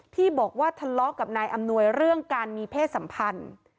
ที่บอกว่าทะเลาะกับนายอำนวยเรื่องการมีเพศสัมพันธ์